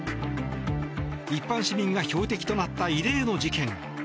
一般市民が標的となった異例の事件。